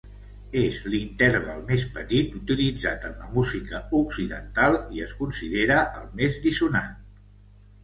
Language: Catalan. És l'interval més petit utilitzat en la música occidental, i es considera el més dissonant.